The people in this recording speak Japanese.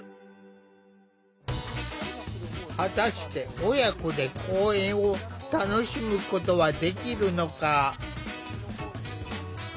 果たして親子で公園を楽しむことはできるのか。